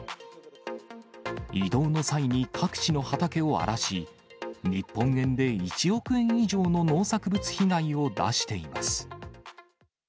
移動の際に各地の畑を荒らし、日本円で１億円以上の農作物被害を出しています。